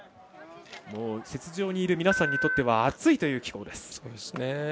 雪上にいる皆さんにとっては暑いという気温です。